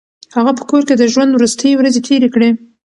هغه په کور کې د ژوند وروستۍ ورځې تېرې کړې.